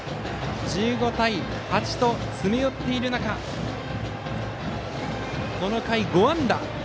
１５対８と詰め寄っている中この回、５安打。